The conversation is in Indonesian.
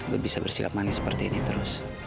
lo bisa bersikap manis seperti ini terus